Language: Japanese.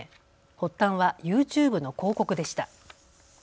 発端はＹｏｕＴｕｂｅの広告でした。